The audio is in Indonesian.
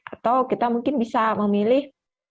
atau kita mungkin bisa memilih